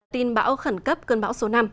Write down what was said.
tin bão khẩn cấp cơn bão số năm